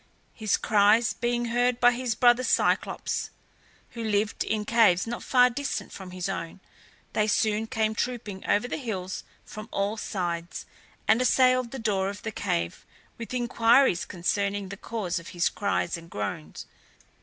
His cries being heard by his brother Cyclops, who lived in caves not far distant from his own, they soon came trooping over the hills from all sides, and assailed the door of the cave with inquiries concerning the cause of his cries and groans.